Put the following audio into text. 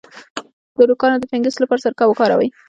د نوکانو د فنګس لپاره سرکه وکاروئ